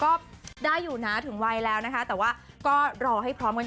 ก็ได้อยู่นะถึงวัยแล้วนะคะแต่ว่าก็รอให้พร้อมกัน